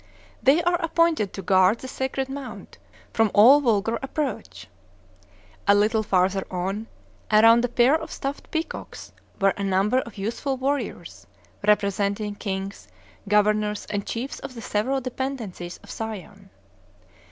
They are appointed to guard the Sacred Mount from all vulgar approach. A little farther on, around a pair of stuffed peacocks, were a number of youthful warriors, representing kings, governors, and chiefs of the several dependencies of Siam.